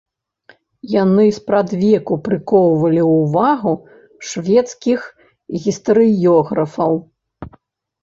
Яны спрадвеку прыкоўвалі ўвагу шведскіх гістарыёграфаў.